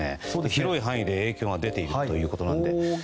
広い範囲で影響が出ているということで。